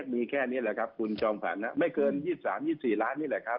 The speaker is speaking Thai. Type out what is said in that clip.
มีแค่นี้แหละครับคุณจอมขวัญไม่เกิน๒๓๒๔ล้านนี่แหละครับ